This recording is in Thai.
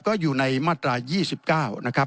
ก็อยู่ในมาตรา๒๙